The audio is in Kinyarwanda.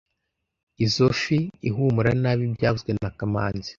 Izoi fi ihumura nabi byavuzwe na kamanzi